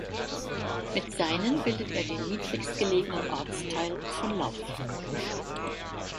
Mit seinen bildet er den niedrigst gelegenen Ortsteil von Lauf.